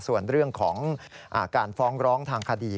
ส่วนเรื่องของการฟ้องร้องทางคดี